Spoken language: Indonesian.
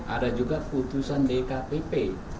ada juga putusan dkpp